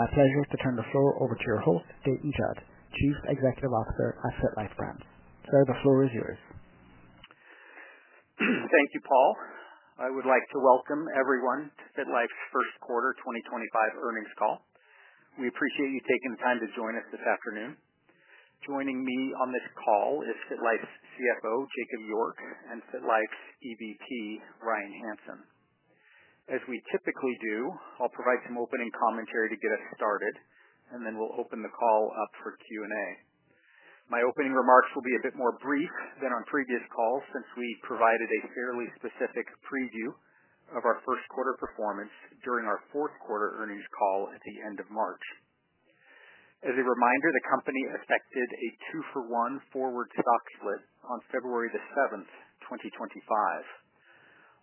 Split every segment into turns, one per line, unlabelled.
I'm pleased to turn the floor over to your host, Dayton Judd, Chief Executive Officer at FitLife Brands. Sir, the floor is yours.
Thank you, Paul. I would like to welcome everyone to FitLife's First Quarter 2025 Earnings Call. We appreciate you taking the time to join us this afternoon. Joining me on this call is FitLife's CFO, Jakob York, and FitLife's EVP, Ryan Hansen. As we typically do, I'll provide some opening commentary to get us started, and then we'll open the call up for Q&A. My opening remarks will be a bit more brief than on previous calls since we provided a fairly specific preview of our first quarter performance during our fourth quarter earnings call at the end of March. As a reminder, the company effected a two-for-one forward stock split on February 7, 2025.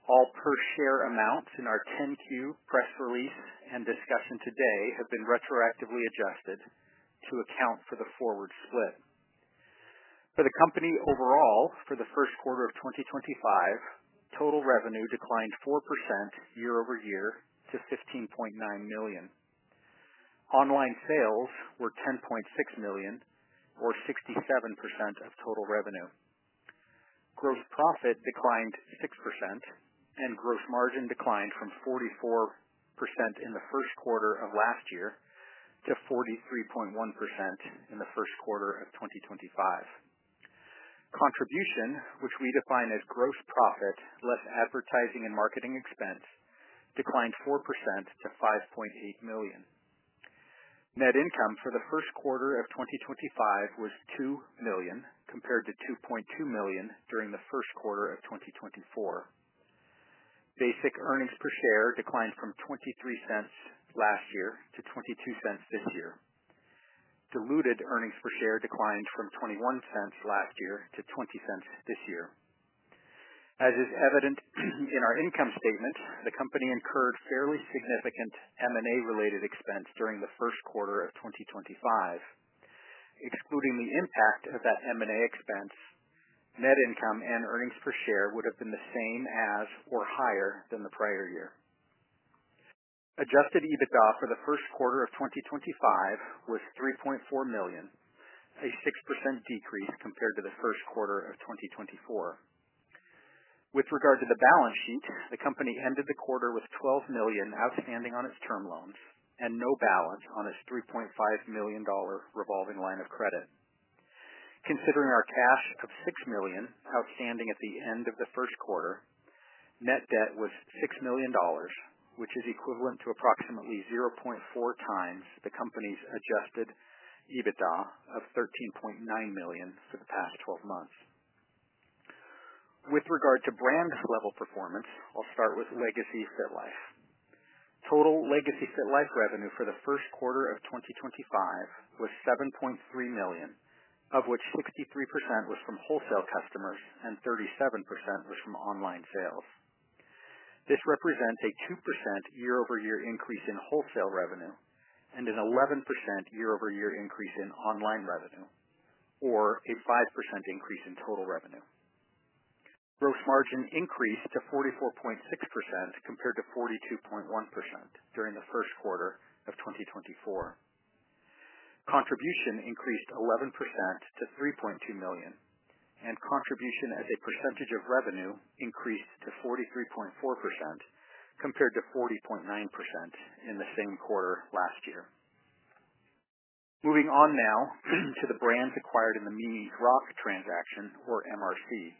All per-share amounts in our 10Q press release and discussion today have been retroactively adjusted to account for the forward split. For the company overall, for the first quarter of 2025, total revenue declined 4% year-over-year to $15.9 million. Online sales were $10.6 million, or 67% of total revenue. Gross profit declined 6%, and gross margin declined from 44% in the first quarter of last year to 43.1% in the first quarter of 2025. Contribution, which we define as gross profit less advertising and marketing expense, declined 4% to $5.8 million. Net income for the first quarter of 2025 was $2 million compared to $2.2 million during the first quarter of 2024. Basic earnings per share declined from $0.23 last year to $0.22 this year. Diluted earnings per share declined from $0.21 last year to $0.20 this year. As is evident in our income statement, the company incurred fairly significant M&A-related expense during the first quarter of 2025. Excluding the impact of that M&A expense, net income and earnings per share would have been the same as or higher than the prior year. Adjusted EBITDA for the first quarter of 2025 was $3.4 million, a 6% decrease compared to the first quarter of 2024. With regard to the balance sheet, the company ended the quarter with $12 million outstanding on its term loans and no balance on its $3.5 million revolving line of credit. Considering our cash of $6 million outstanding at the end of the first quarter, net debt was $6 million, which is equivalent to approximately 0.4 times the company's adjusted EBITDA of $13.9 million for the past 12 months. With regard to brand-level performance, I'll start with legacy FitLife. Total legacy FitLife revenue for the first quarter of 2025 was $7.3 million, of which 63% was from wholesale customers and 37% was from online sales. This represents a 2% year-over-year increase in wholesale revenue and an 11% year-over-year increase in online revenue, or a 5% increase in total revenue. Gross margin increased to 44.6% compared to 42.1% during the first quarter of 2024. Contribution increased 11% to $3.2 million, and contribution as a percentage of revenue increased to 43.4% compared to 40.9% in the same quarter last year. Moving on now to the brands acquired in the Mimi's Rock transaction, or MRC.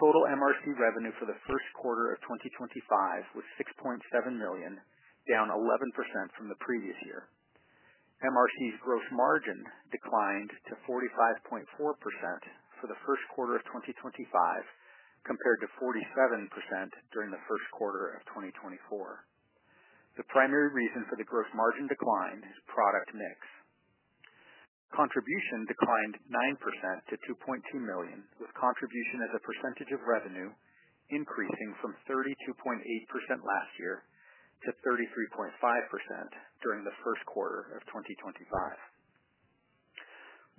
Total MRC revenue for the first quarter of 2025 was $6.7 million, down 11% from the previous year. MRC's gross margin declined to 45.4% for the first quarter of 2025 compared to 47% during the first quarter of 2024. The primary reason for the gross margin decline is product mix. Contribution declined 9% to $2.2 million, with contribution as a percentage of revenue increasing from 32.8% last year to 33.5% during the first quarter of 2025.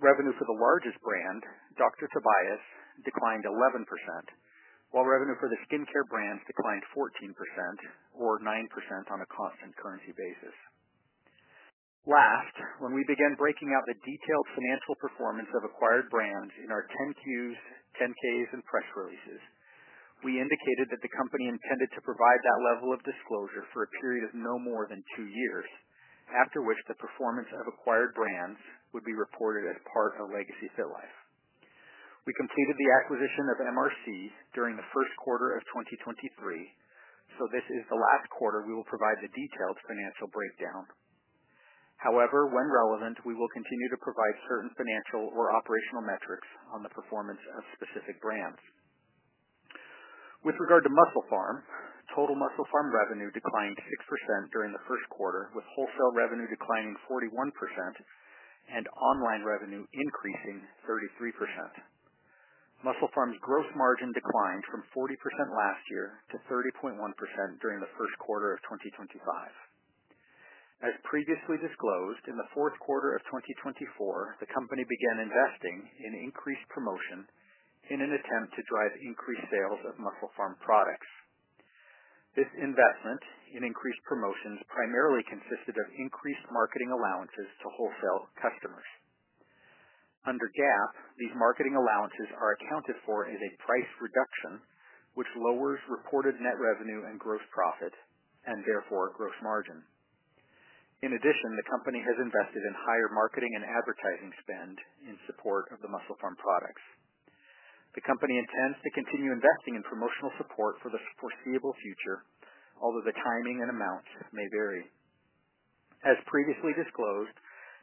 Revenue for the largest brand, Dr. Tobias, declined 11%, while revenue for the skincare brands declined 14%, or 9% on a constant currency basis. Last, when we began breaking out the detailed financial performance of acquired brands in our 10Qs, 10Ks, and press releases, we indicated that the company intended to provide that level of disclosure for a period of no more than two years, after which the performance of acquired brands would be reported as part of legacy FitLife. We completed the acquisition of MRC during the first quarter of 2023, so this is the last quarter we will provide the detailed financial breakdown. However, when relevant, we will continue to provide certain financial or operational metrics on the performance of specific brands. With regard to MusclePharm, total MusclePharm revenue declined 6% during the first quarter, with wholesale revenue declining 41% and online revenue increasing 33%. MusclePharm's gross margin declined from 40% last year to 30.1% during the first quarter of 2025. As previously disclosed, in the fourth quarter of 2024, the company began investing in increased promotion in an attempt to drive increased sales of MusclePharm products. This investment in increased promotions primarily consisted of increased marketing allowances to wholesale customers. Under GAAP, these marketing allowances are accounted for as a price reduction, which lowers reported net revenue and gross profit, and therefore gross margin. In addition, the company has invested in higher marketing and advertising spend in support of the MusclePharm products. The company intends to continue investing in promotional support for the foreseeable future, although the timing and amounts may vary. As previously disclosed,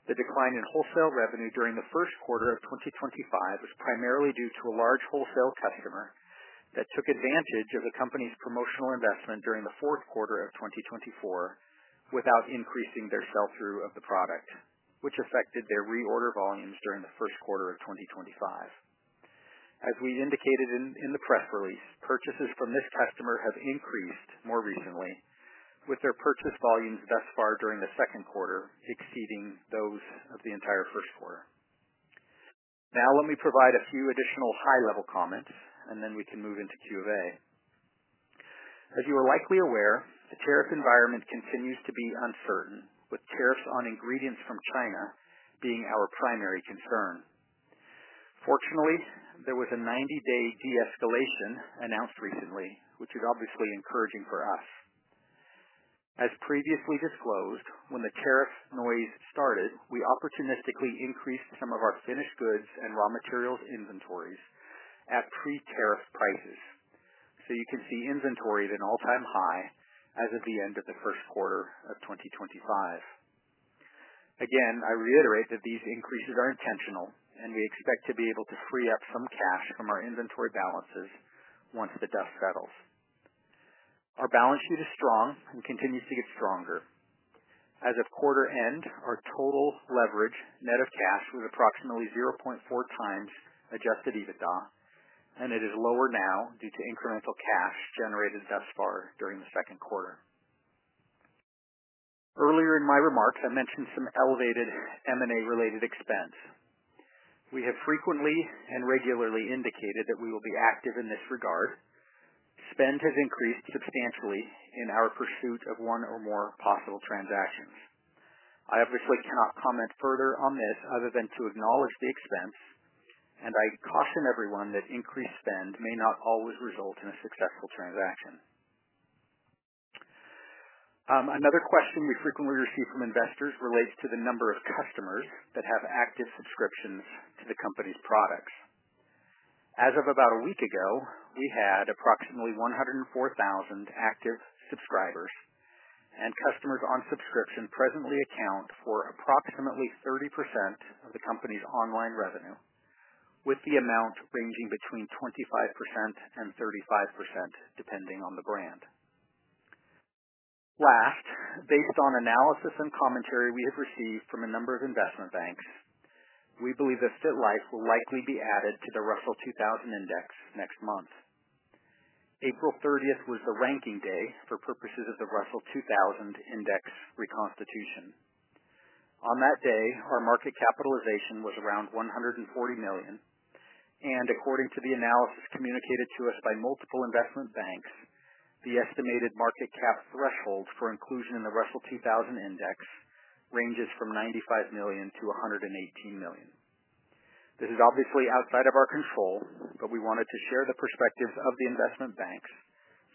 the decline in wholesale revenue during the first quarter of 2025 was primarily due to a large wholesale customer that took advantage of the company's promotional investment during the fourth quarter of 2024 without increasing their sell-through of the product, which affected their reorder volumes during the first quarter of 2025. As we indicated in the press release, purchases from this customer have increased more recently, with their purchase volumes thus far during the second quarter exceeding those of the entire first quarter. Now, let me provide a few additional high-level comments, and then we can move into Q&A. As you are likely aware, the tariff environment continues to be uncertain, with tariffs on ingredients from China being our primary concern. Fortunately, there was a 90-day de-escalation announced recently, which is obviously encouraging for us. As previously disclosed, when the tariff noise started, we opportunistically increased some of our finished goods and raw materials inventories at pre-tariff prices. You can see inventory at an all-time high as of the end of the first quarter of 2025. Again, I reiterate that these increases are intentional, and we expect to be able to free up some cash from our inventory balances once the dust settles. Our balance sheet is strong and continues to get stronger. As of quarter end, our total leverage net of cash was approximately 0.4 times adjusted EBITDA, and it is lower now due to incremental cash generated thus far during the second quarter. Earlier in my remarks, I mentioned some elevated M&A-related expense. We have frequently and regularly indicated that we will be active in this regard. Spend has increased substantially in our pursuit of one or more possible transactions. I obviously cannot comment further on this other than to acknowledge the expense, and I caution everyone that increased spend may not always result in a successful transaction. Another question we frequently receive from investors relates to the number of customers that have active subscriptions to the company's products. As of about a week ago, we had approximately 104,000 active subscribers, and customers on subscription presently account for approximately 30% of the company's online revenue, with the amount ranging between 25%-35%, depending on the brand. Last, based on analysis and commentary we have received from a number of investment banks, we believe that FitLife will likely be added to the Russell 2000 index next month. April 30th was the ranking day for purposes of the Russell 2000 index reconstitution. On that day, our market capitalization was around $140 million, and according to the analysis communicated to us by multiple investment banks, the estimated market cap threshold for inclusion in the Russell 2000 index ranges from $95 million-$118 million. This is obviously outside of our control, but we wanted to share the perspectives of the investment banks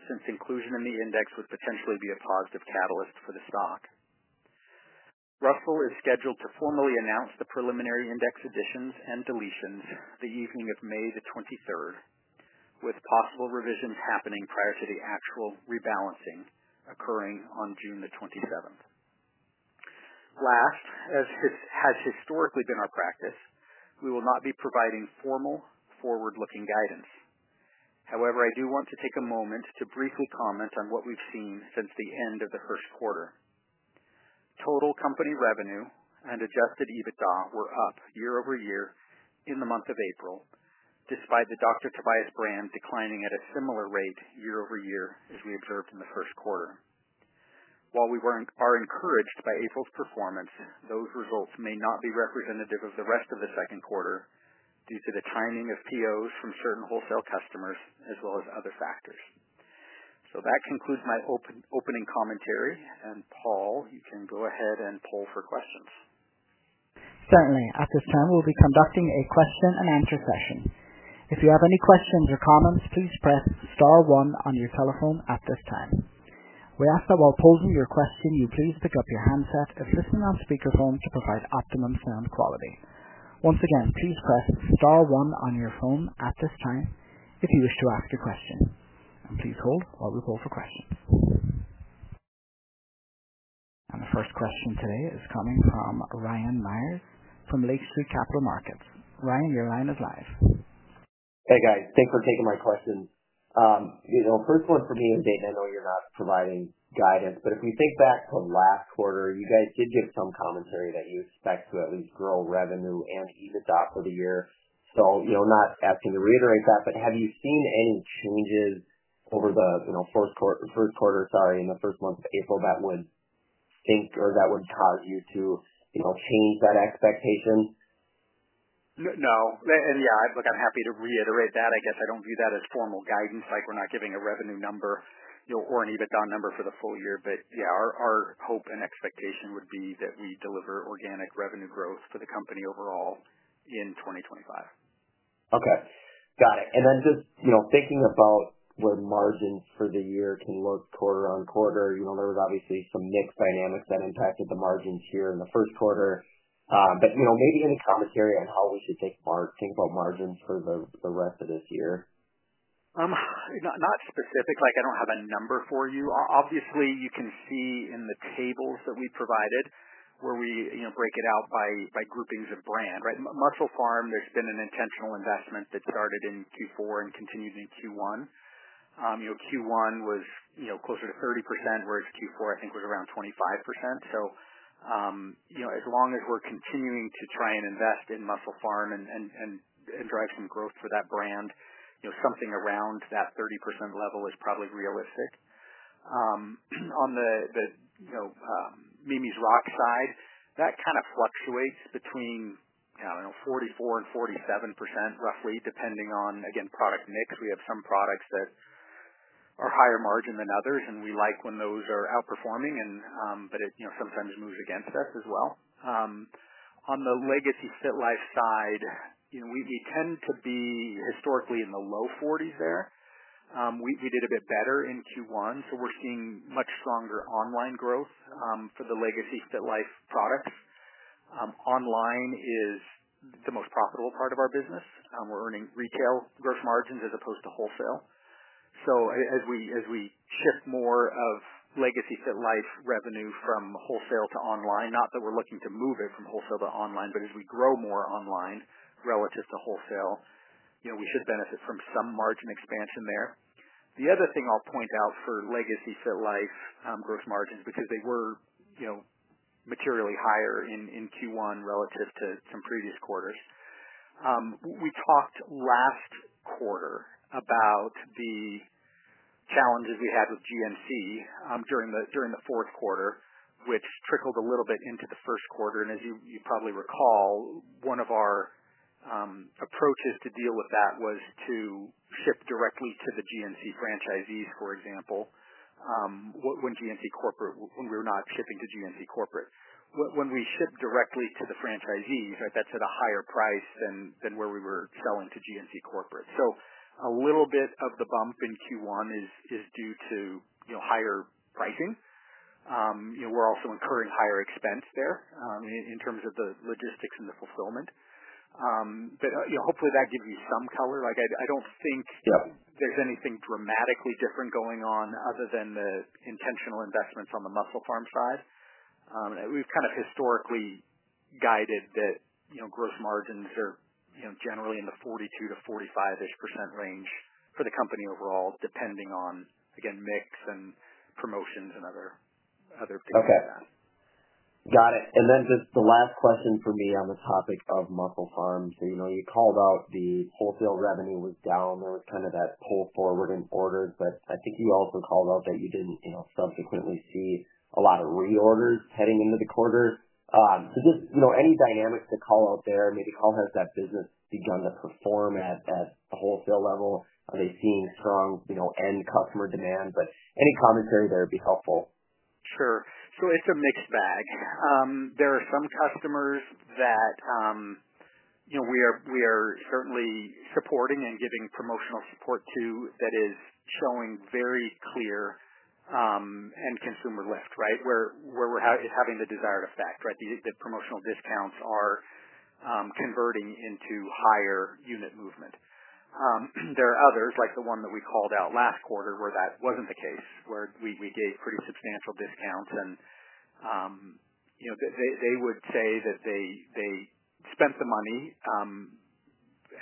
since inclusion in the index would potentially be a positive catalyst for the stock. Russell is scheduled to formally announce the preliminary index additions and deletions the evening of May the 23rd, with possible revisions happening prior to the actual rebalancing occurring on June the 27th. Last, as has historically been our practice, we will not be providing formal forward-looking guidance. However, I do want to take a moment to briefly comment on what we've seen since the end of the first quarter. Total company revenue and adjusted EBITDA were up year-over-year in the month of April, despite the Dr. Tobias brand declining at a similar rate year-over-year as we observed in the first quarter. While we are encouraged by April's performance, those results may not be representative of the rest of the second quarter due to the timing of POs from certain wholesale customers as well as other factors. That concludes my opening commentary, and Paul, you can go ahead and poll for questions.
Certainly. At this time, we'll be conducting a question-and-answer session. If you have any questions or comments, please press star one on your telephone at this time. We ask that while posing your question, you please pick up your handset if listening on speakerphone to provide optimum sound quality. Once again, please press star one on your phone at this time if you wish to ask a question. Please hold while we poll for questions. The first question today is coming from Ryan Meyers from Lake Street Capital Markets. Ryan, your line is live.
Hey, guys. Thanks for taking my question. First one for me is, and I know you're not providing guidance, but if we think back to last quarter, you guys did give some commentary that you expect to at least grow revenue and EBITDA for the year. Not asking to reiterate that, but have you seen any changes over the first quarter in the first month of April that would think or that would cause you to change that expectation?
No. Yeah, I'm happy to reiterate that. I guess I don't view that as formal guidance, like we're not giving a revenue number or an EBITDA number for the full year. Yeah, our hope and expectation would be that we deliver organic revenue growth for the company overall in 2025.
Okay. Got it. Just thinking about where margins for the year can look quarter on quarter, there was obviously some mix dynamics that impacted the margins here in the first quarter. Maybe any commentary on how we should think about margins for the rest of this year?
Not specific. I don't have a number for you. Obviously, you can see in the tables that we provided where we break it out by groupings of brand. MusclePharm, there's been an intentional investment that started in Q4 and continued in Q1. Q1 was closer to 30%, whereas Q4, I think, was around 25%. As long as we're continuing to try and invest in MusclePharm and drive some growth for that brand, something around that 30% level is probably realistic. On the Mimi's Rock side, that kind of fluctuates between, I don't know, 44-47%, roughly, depending on, again, product mix. We have some products that are higher margin than others, and we like when those are outperforming, but it sometimes moves against us as well. On the legacy FitLife side, we tend to be historically in the low 40s there. We did a bit better in Q1, so we're seeing much stronger online growth for the legacy FitLife products. Online is the most profitable part of our business. We're earning retail gross margins as opposed to wholesale. As we shift more of legacy FitLife revenue from wholesale to online, not that we're looking to move it from wholesale to online, but as we grow more online relative to wholesale, we should benefit from some margin expansion there. The other thing I'll point out for legacy FitLife gross margins, because they were materially higher in Q1 relative to some previous quarters. We talked last quarter about the challenges we had with GNC during the fourth quarter, which trickled a little bit into the first quarter. As you probably recall, one of our approaches to deal with that was to ship directly to the GNC franchisees, for example, when we were not shipping to GNC corporate. When we shipped directly to the franchisees, that's at a higher price than where we were selling to GNC corporate. A little bit of the bump in Q1 is due to higher pricing. We're also incurring higher expense there in terms of the logistics and the fulfillment. Hopefully, that gives you some color. I don't think there's anything dramatically different going on other than the intentional investments on the MusclePharm side. We've kind of historically guided that gross margins are generally in the 42-45% range for the company overall, depending on, again, mix and promotions and other things like that.
Okay. Got it. Just the last question for me on the topic of MusclePharm. You called out the wholesale revenue was down. There was kind of that pull forward in orders, but I think you also called out that you didn't subsequently see a lot of reorders heading into the quarter. Just any dynamics to call out there? Maybe how has that business begun to perform at the wholesale level? Are they seeing strong end customer demand? Any commentary there would be helpful.
Sure. It is a mixed bag. There are some customers that we are certainly supporting and giving promotional support to that is showing very clear end consumer lift, right, where we are having the desired effect, right? The promotional discounts are converting into higher unit movement. There are others, like the one that we called out last quarter, where that was not the case, where we gave pretty substantial discounts. They would say that they spent the money,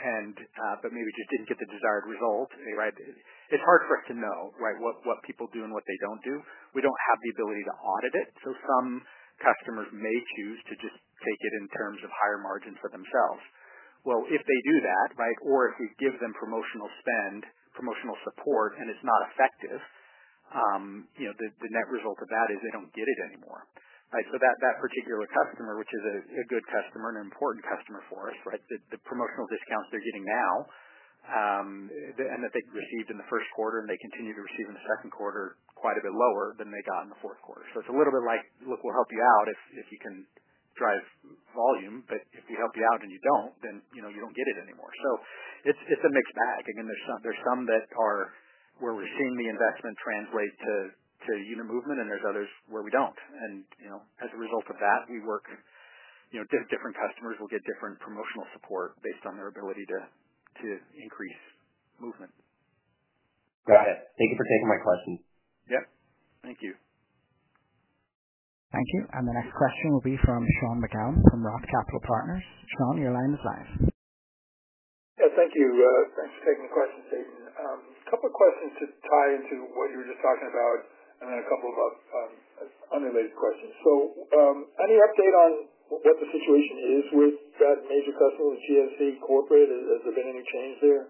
but maybe just did not get the desired result. It is hard for us to know what people do and what they do not do. We do not have the ability to audit it, so some customers may choose to just take it in terms of higher margins for themselves. If they do that, right, or if we give them promotional spend, promotional support, and it's not effective, the net result of that is they don't get it anymore. That particular customer, which is a good customer and an important customer for us, right, the promotional discounts they're getting now and that they received in the first quarter and they continue to receive in the second quarter are quite a bit lower than they got in the fourth quarter. It's a little bit like, "Look, we'll help you out if you can drive volume, but if we help you out and you don't, then you don't get it anymore." It's a mixed bag. Again, there's some that are where we're seeing the investment translate to unit movement, and there's others where we don't. As a result of that, we work different customers will get different promotional support based on their ability to increase movement.
Got it. Thank you for taking my question.
Yep. Thank you.
Thank you. The next question will be from Sean McGowan from Roth Capital Partners. Sean, your line is live.
Yeah. Thank you. Thanks for taking the questions, Dayton. A couple of questions to tie into what you were just talking about, and then a couple of unrelated questions. Any update on what the situation is with that major customer, the GNC corporate? Has there been any change there?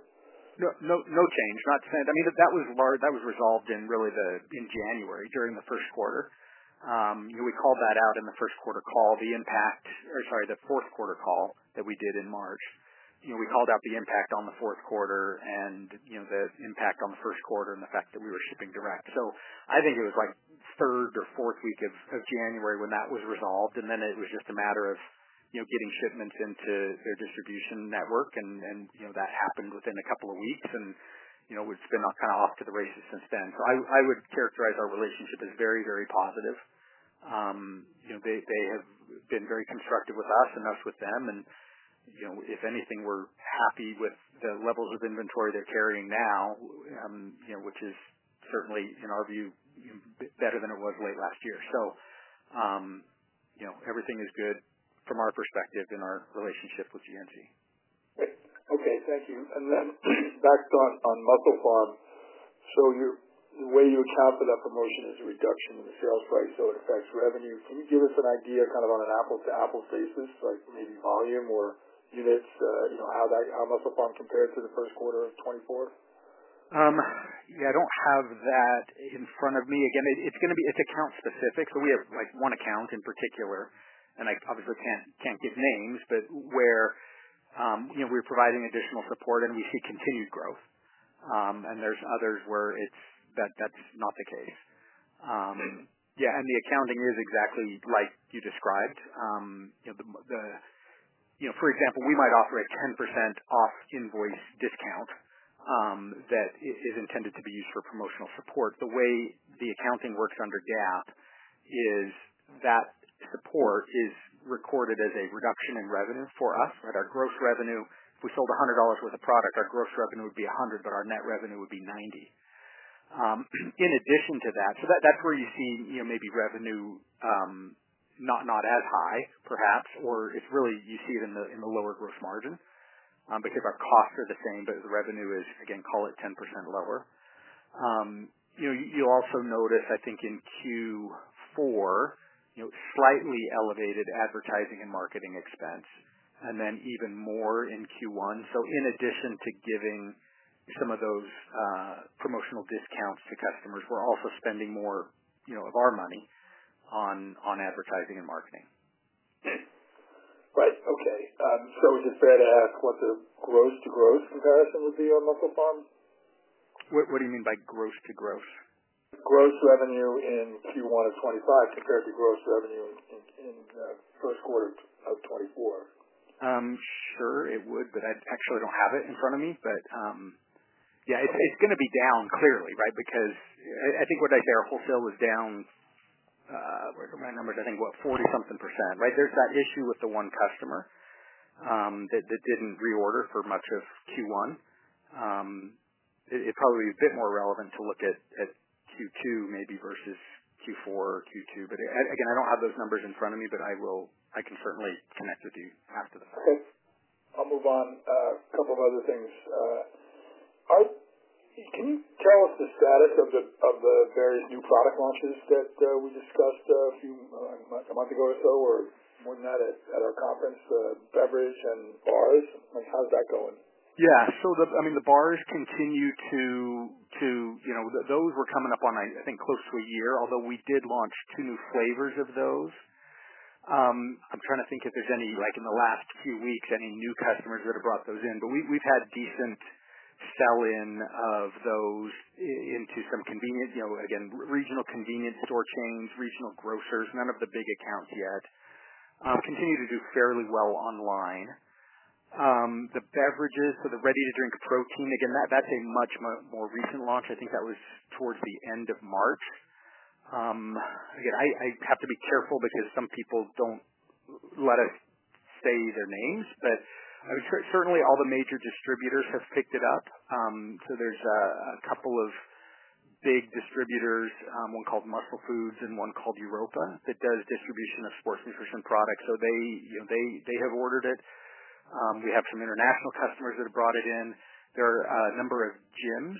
No change. I mean, that was resolved in really the in January during the first quarter. We called that out in the first quarter call, the impact or sorry, the fourth quarter call that we did in March. We called out the impact on the fourth quarter and the impact on the first quarter and the fact that we were shipping direct. I think it was like third or fourth week of January when that was resolved, and then it was just a matter of getting shipments into their distribution network, and that happened within a couple of weeks, and it's been kind of off to the races since then. I would characterize our relationship as very, very positive. They have been very constructive with us and us with them. If anything, we're happy with the levels of inventory they're carrying now, which is certainly, in our view, better than it was late last year. Everything is good from our perspective in our relationship with GNC.
Okay. Thank you. Back on MusclePharm, the way you account for that promotion is a reduction in the sales price, so it affects revenue. Can you give us an idea kind of on an apples-to-apples basis, like maybe volume or units, how MusclePharm compared to the first quarter of 2024?
Yeah. I do not have that in front of me. Again, it is account-specific, so we have one account in particular, and I obviously cannot give names, but where we are providing additional support and we see continued growth, and there are others where that is not the case. Yeah. The accounting is exactly like you described. For example, we might offer a 10% off-invoice discount that is intended to be used for promotional support. The way the accounting works under GAAP is that support is recorded as a reduction in revenue for us, right? Our gross revenue, if we sold $100 worth of product, our gross revenue would be $100, but our net revenue would be $90. In addition to that, so that's where you see maybe revenue not as high, perhaps, or it's really you see it in the lower gross margin because our costs are the same, but the revenue is, again, call it 10% lower. You'll also notice, I think, in Q4, slightly elevated advertising and marketing expense, and then even more in Q1. In addition to giving some of those promotional discounts to customers, we're also spending more of our money on advertising and marketing.
Right. Okay. Is it fair to ask what the gross-to-growth comparison would be on MusclePharm? What do you mean by gross-to-growth? Gross revenue in Q1 of 2025 compared to gross revenue in the first quarter of 2024?
Sure, it would, but I actually don't have it in front of me. Yeah, it's going to be down clearly, right, because I think what I say our wholesale was down—where are my numbers?—I think, what, 40-something percent, right? There's that issue with the one customer that didn't reorder for much of Q1. It'd probably be a bit more relevant to look at Q2 maybe versus Q4 or Q2. Again, I don't have those numbers in front of me, but I can certainly connect with you after the fact.
Okay. I'll move on. A couple of other things. Can you tell us the status of the various new product launches that we discussed a month ago or so, or more than that at our conference, beverage and bars? How's that going?
Yeah. I mean, the bars continue to—those were coming up on, I think, close to a year, although we did launch two new flavors of those. I'm trying to think if there's any, like in the last few weeks, any new customers that have brought those in. We've had decent sell-in of those into some, again, regional convenience store chains, regional grocers, none of the big accounts yet. Continue to do fairly well online. The beverages, so the ready-to-drink protein, again, that's a much more recent launch. I think that was towards the end of March. I have to be careful because some people do not let us say their names, but certainly all the major distributors have picked it up. There are a couple of big distributors, one called Muscle Foods and one called Europa that does distribution of sports nutrition products. They have ordered it. We have some international customers that have brought it in. There are a number of gyms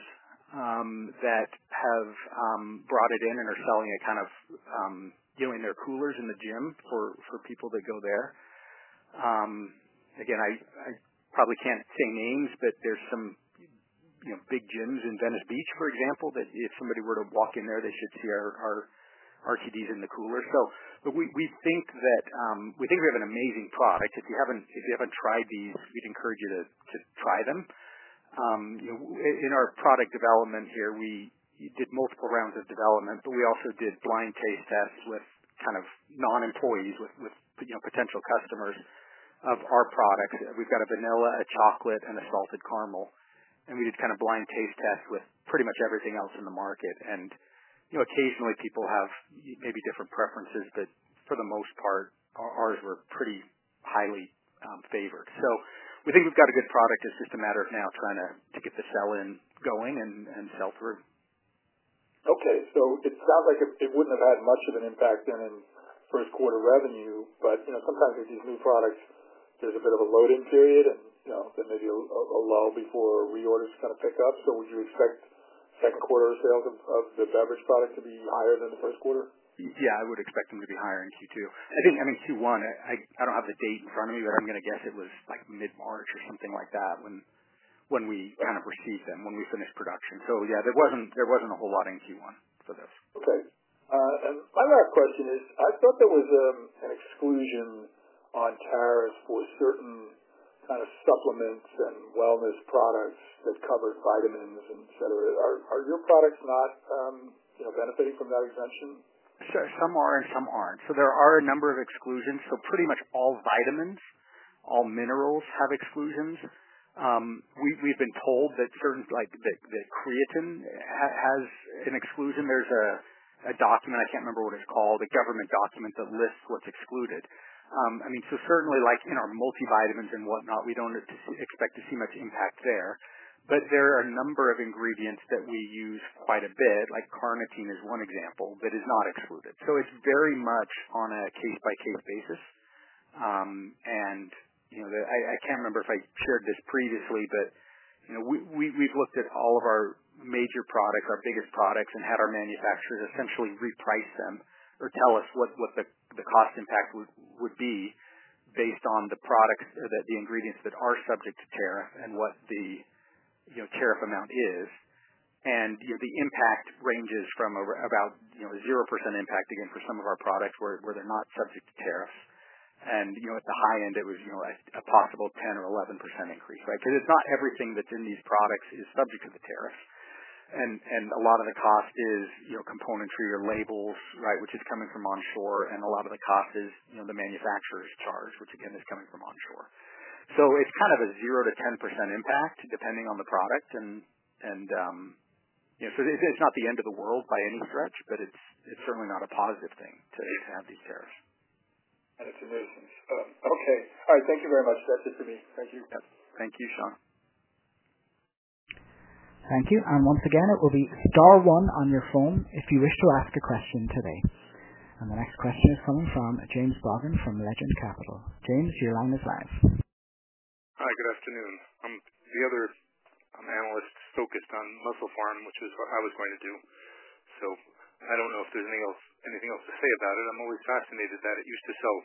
that have brought it in and are selling it kind of in their coolers in the gym for people that go there. Again, I probably can't say names, but there's some big gyms in Venice Beach, for example, that if somebody were to walk in there, they should see our RTDs in the cooler. We think that we have an amazing product. If you haven't tried these, we'd encourage you to try them. In our product development here, we did multiple rounds of development, but we also did blind taste tests with kind of non-employees, with potential customers of our products. We've got a vanilla, a chocolate, and a salted caramel. We did kind of blind taste tests with pretty much everything else in the market. Occasionally, people have maybe different preferences, but for the most part, ours were pretty highly favored. We think we have a good product. It is just a matter of now trying to get the sell-in going and sell through.
Okay. It sounds like it would not have had much of an impact then in first quarter revenue, but sometimes with these new products, there is a bit of a load-in period, and then maybe a lull before reorders kind of pick up. Would you expect second quarter sales of the beverage product to be higher than the first quarter?
Yeah. I would expect them to be higher in Q2. I mean, Q1, I do not have the date in front of me, but I am going to guess it was like mid-March or something like that when we kind of received them, when we finished production. Yeah, there was not a whole lot in Q1 for this.
Okay. My last question is, I thought there was an exclusion on tariffs for certain kind of supplements and wellness products that cover vitamins, etc. Are your products not benefiting from that exemption?
Some are and some are not. There are a number of exclusions. Pretty much all vitamins, all minerals have exclusions. We have been told that creatine has an exclusion. There is a document, I cannot remember what it is called, a government document that lists what is excluded. I mean, certainly in our multivitamins and whatnot, we do not expect to see much impact there. There are a number of ingredients that we use quite a bit, like carnitine is one example, that is not excluded. It is very much on a case-by-case basis. I cannot remember if I shared this previously, but we have looked at all of our major products, our biggest products, and had our manufacturers essentially reprice them or tell us what the cost impact would be based on the products or the ingredients that are subject to tariff and what the tariff amount is. The impact ranges from about 0% impact, again, for some of our products where they are not subject to tariffs. At the high end, it was a possible 10% or 11% increase, right? Because not everything that is in these products is subject to the tariffs. A lot of the cost is components for your labels, right, which is coming from onshore. A lot of the cost is the manufacturer's charge, which again is coming from onshore. It is kind of a zero-10% impact depending on the product. It is not the end of the world by any stretch, but it is certainly not a positive thing to have these tariffs.
That is amazing. Okay. All right. Thank you very much. That is it for me. Thank you.
Thank you, Sean.
Thank you. Once again, it will be star one on your phone if you wish to ask a question today. The next question is coming from James Bogan from Legend Capital. James, your line is live.
Hi. Good afternoon. I am the other analyst focused on MusclePharm, which is what I was going to do. I do not know if there is anything else to say about it. I am always fascinated that it used to sell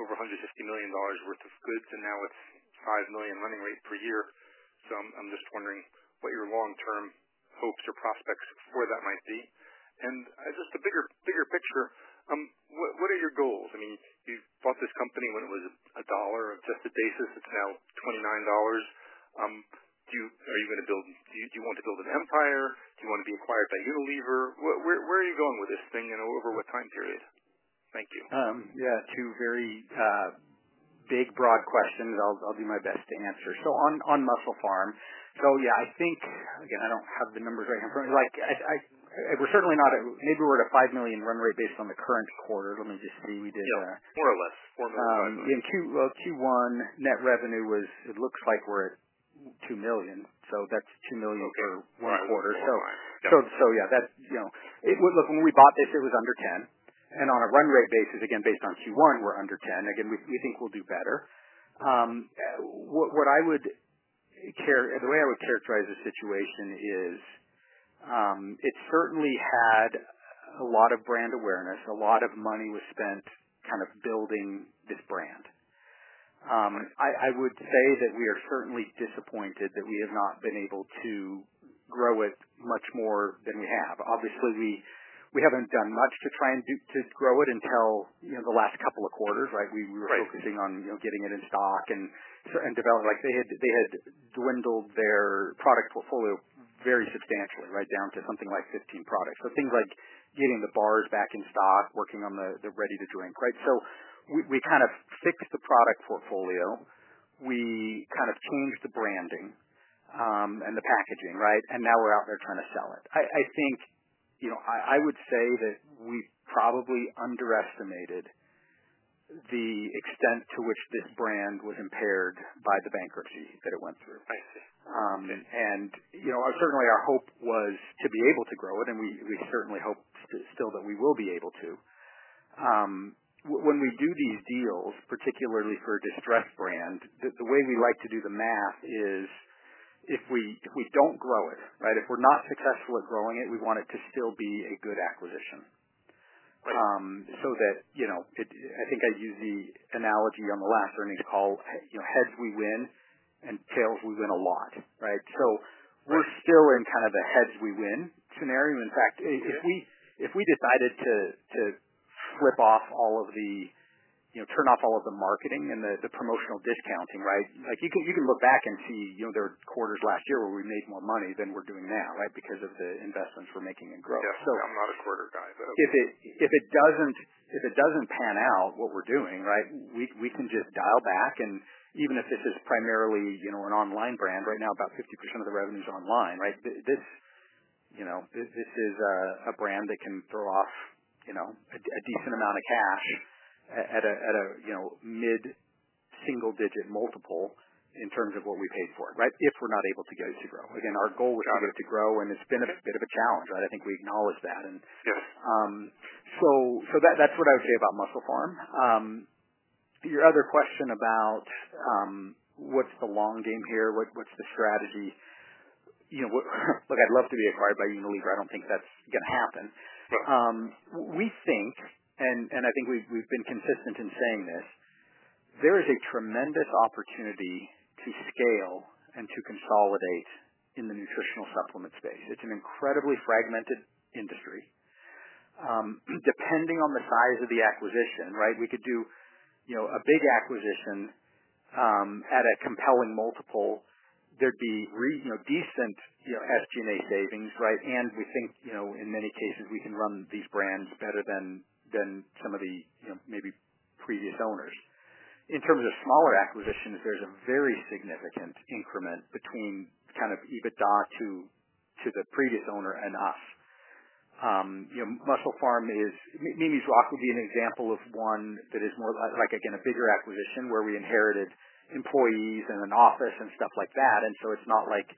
over $150 million worth of goods, and now it is $5 million running rate per year. I am just wondering what your long-term hopes or prospects for that might be. Just a bigger picture, what are your goals? I mean, you bought this company when it was a dollar of tested basis. It's now $29. Are you going to build—do you want to build an empire? Do you want to be acquired by Unilever? Where are you going with this thing and over what time period? Thank you.
Yeah. Two very big, broad questions. I'll do my best to answer. On MusclePharm, yeah, I think, again, I don't have the numbers right in front of me. We're certainly not at—maybe we're at a $5 million run rate based on the current quarter. Let me just see. We did a—yeah, more or less, $4 million run rate. In Q1, net revenue was—it looks like we're at $2 million. That's $2 million for one quarter. Yeah, look, when we bought this, it was under $10 million. On a run rate basis, again, based on Q1, we're under 10. Again, we think we'll do better. What I would care—the way I would characterize the situation is it certainly had a lot of brand awareness. A lot of money was spent kind of building this brand. I would say that we are certainly disappointed that we have not been able to grow it much more than we have. Obviously, we haven't done much to try and grow it until the last couple of quarters, right? We were focusing on getting it in stock and developing. They had dwindled their product portfolio very substantially, right, down to something like 15 products. Things like getting the bars back in stock, working on the ready-to-drink, right? We kind of fixed the product portfolio. We kind of changed the branding and the packaging, right? We are out there trying to sell it. I think I would say that we probably underestimated the extent to which this brand was impaired by the bankruptcy that it went through. Certainly, our hope was to be able to grow it, and we certainly hope still that we will be able to. When we do these deals, particularly for a distressed brand, the way we like to do the math is if we do not grow it, right, if we are not successful at growing it, we want it to still be a good acquisition. I think I used the analogy on the last earnings call, heads we win and tails we win a lot, right? We are still in kind of a heads we win scenario. In fact, if we decided to flip off all of the—turn off all of the marketing and the promotional discounting, right? You can look back and see there were quarters last year where we made more money than we're doing now, right, because of the investments we're making in growth.
Yeah. I'm not a quarter guy, but okay.
If it doesn't pan out what we're doing, right, we can just dial back. Even if this is primarily an online brand, right now about 50% of the revenue is online, right? This is a brand that can throw off a decent amount of cash at a mid-single-digit multiple in terms of what we paid for it, right, if we're not able to get it to grow. Again, our goal was to get it to grow, and it's been a bit of a challenge, right? I think we acknowledge that. That is what I would say about MusclePharm. Your other question about what is the long game here, what is the strategy? Look, I would love to be acquired by Unilever. I do not think that is going to happen. We think, and I think we have been consistent in saying this, there is a tremendous opportunity to scale and to consolidate in the nutritional supplement space. It is an incredibly fragmented industry. Depending on the size of the acquisition, right, we could do a big acquisition at a compelling multiple. There would be decent SG&A savings, right? We think in many cases we can run these brands better than some of the maybe previous owners. In terms of smaller acquisitions, there is a very significant increment between kind of EBITDA to the previous owner and us. MusclePharm is—Mimi's Rock would be an example of one that is more like, again, a bigger acquisition where we inherited employees and an office and stuff like that. It is not like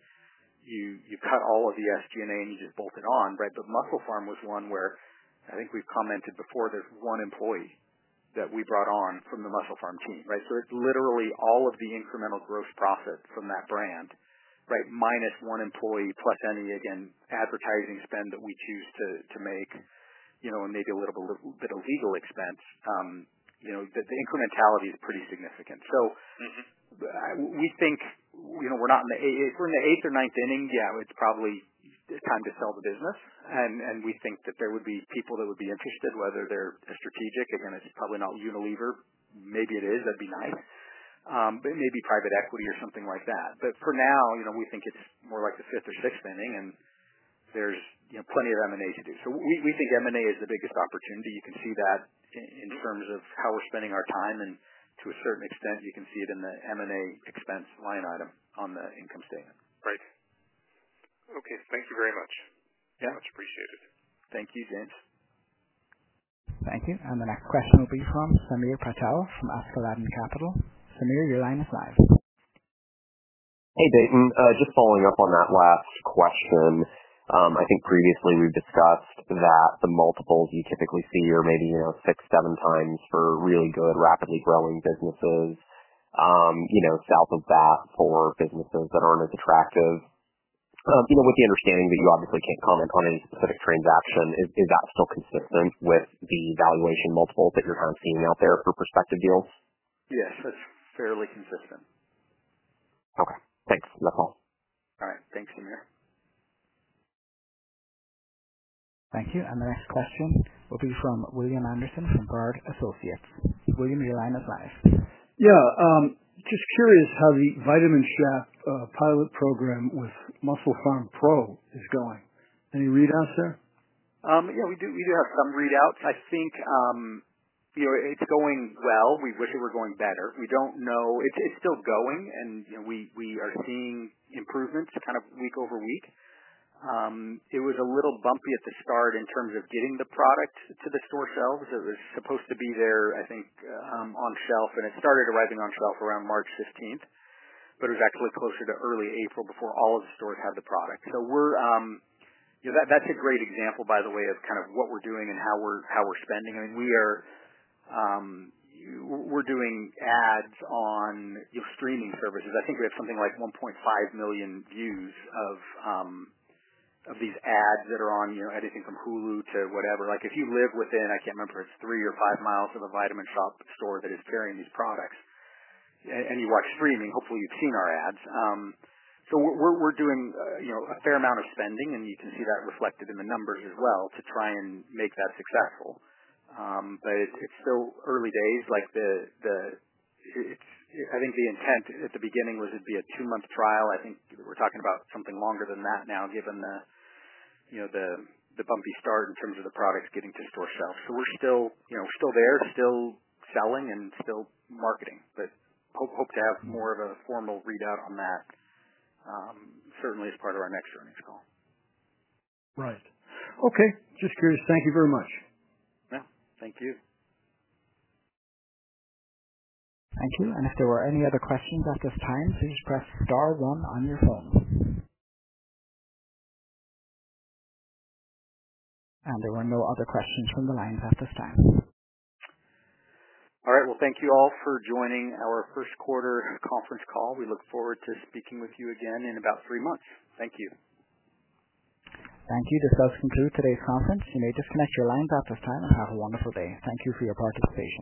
you cut all of the SG&A and you just bolt it on, right? MusclePharm was one where I think we've commented before, there is one employee that we brought on from the MusclePharm team, right? It is literally all of the incremental gross profit from that brand, right, minus one employee plus any, again, advertising spend that we choose to make and maybe a little bit of legal expense. The incrementality is pretty significant. We think we are not in the—if we are in the eighth or ninth inning, yeah, it is probably time to sell the business. We think that there would be people that would be interested, whether they are strategic. Again, it's probably not Unilever. Maybe it is. That'd be nice. Maybe private equity or something like that. For now, we think it's more like the fifth or sixth inning, and there's plenty of M&A to do. We think M&A is the biggest opportunity. You can see that in terms of how we're spending our time. To a certain extent, you can see it in the M&A expense line item on the income statement.
Right. Okay. Thank you very much. Much appreciated.
Thank you, James.
Thank you. The next question will be from Samir Patel from Askeladden Capital. Samir, your line is live.
Hey, Dayton. Just following up on that last question. I think previously we've discussed that the multiples you typically see are maybe six, seven times for really good, rapidly growing businesses, south of that for businesses that aren't as attractive. With the understanding that you obviously can't comment on any specific transaction, is that still consistent with the valuation multiples that you're kind of seeing out there for prospective deals?
Yes. That's fairly consistent.
Okay. Thanks. That's all. All right.
Thanks, Samir.
Thank you. The next question will be from William Anderson from Bard Associates. William, your line is live.
Yeah. Just curious how the Vitamin Shoppe pilot program with MusclePharm Pro is going. Any readouts there?
Yeah. We do have some readouts. I think it's going well. We wish it were going better. We don't know. It's still going, and we are seeing improvements kind of week over week. It was a little bumpy at the start in terms of getting the product to the store shelves. It was supposed to be there, I think, on shelf, and it started arriving on shelf around March 15th, but it was actually closer to early April before all of the stores had the product. That is a great example, by the way, of kind of what we're doing and how we're spending. I mean, we're doing ads on streaming services. I think we have something like 1.5 million views of these ads that are on everything from Hulu to whatever. If you live within, I can't remember if it's three or five miles of a vitamin shoppe store that is carrying these products, and you watch streaming, hopefully you've seen our ads. We are doing a fair amount of spending, and you can see that reflected in the numbers as well to try and make that successful. It is still early days. I think the intent at the beginning was it'd be a two-month trial. I think we're talking about something longer than that now given the bumpy start in terms of the products getting to store shelves. So we're still there, still selling, and still marketing. Hope to have more of a formal readout on that, certainly as part of our next earnings call.
Right. Okay. Just curious. Thank you very much.
Yeah. Thank you.
Thank you. If there were any other questions at this time, please press star one on your phone. There were no other questions from the lines at this time.
All right. Thank you all for joining our first quarter conference call. We look forward to speaking with you again in about three months. Thank you.
Thank you. This does conclude today's conference. You may disconnect your lines at this time and have a wonderful day. Thank you for your participation.